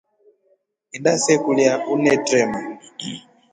Enda se kulya unetrema.